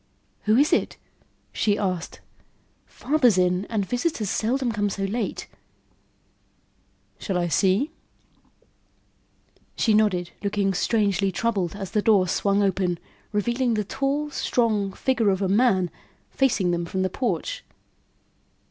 "Who is it?" she asked. "Father's in and visitors seldom come so late." "Shall I see?" She nodded, looking strangely troubled as the door swung open, revealing the tall, strong figure of a man facing them from the porch.